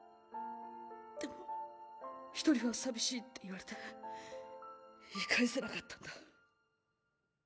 でも「一人は寂しい」って言われて言い返せなかったんだ。